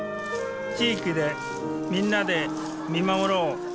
地域でみんなで見守ろう